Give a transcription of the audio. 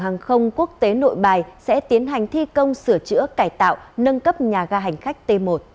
hàng không quốc tế nội bài sẽ tiến hành thi công sửa chữa cải tạo nâng cấp nhà ga hành khách t một